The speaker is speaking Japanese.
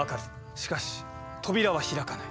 しかし扉は開かない。